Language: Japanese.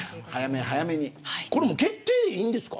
これは決定でいいんですか。